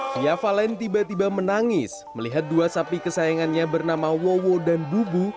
fia valen tiba tiba menangis melihat dua sapi kesayangannya bernama wowo dan bubu